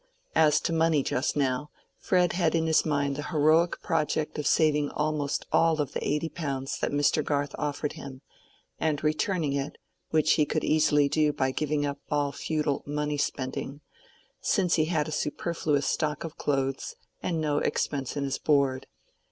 As to money just now, Fred had in his mind the heroic project of saving almost all of the eighty pounds that Mr. Garth offered him, and returning it, which he could easily do by giving up all futile money spending, since he had a superfluous stock of clothes, and no expense in his board.